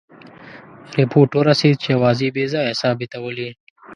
رپوټ ورسېد چې آوازې بې ځایه ثابتولې.